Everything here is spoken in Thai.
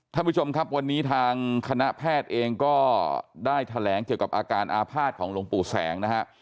ท่านผู้ชมครับวันนี้ทางคณะแพทย์เองก็ได้แถลงเกี่ยวกับอาการอาภาษณ์ของหลวงปู่แสงนะฮะ